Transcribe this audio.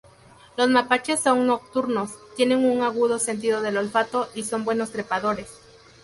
Los mapaches son nocturnos, tienen un agudo sentido del olfato y son buenos trepadores.